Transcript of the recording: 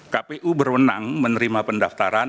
kpu berwenang menerima pendaftaran